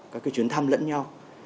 các chuyến thăm lẫn nhau